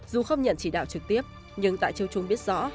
dù không nhận chỉ đạo trực tiếp nhưng tại chiêu chung biết rõ